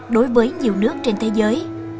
đối với nhiều nước trên thế giới